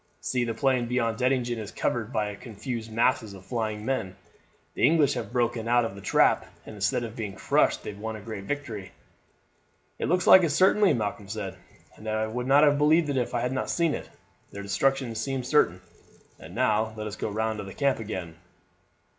See, the plain beyond Dettingen is covered by a confused mass of flying men. The English have broken out of the trap, and instead of being crushed have won a great victory." "It looks like it certainly," Malcolm said. "I would not have believed it if I had not seen it; their destruction seemed certain. And now let us go round to the camp again."